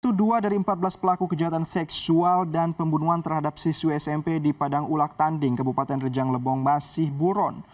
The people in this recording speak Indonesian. satu dua dari empat belas pelaku kejahatan seksual dan pembunuhan terhadap siswi smp di padang ulak tanding kebupaten rejang lebong masih buron